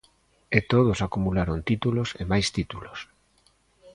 E todos acumularon títulos e máis títulos.